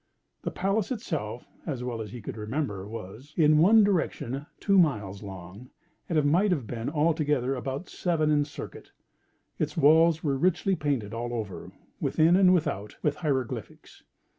The palace itself (as well as he could remember) was, in one direction, two miles long, and might have been altogether about seven in circuit. Its walls were richly painted all over, within and without, with hieroglyphics.